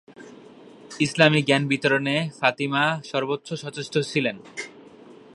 ইসলামী জ্ঞান বিতরণে ফাতিমা সর্বোচ্চ সচেষ্ট ছিলেন।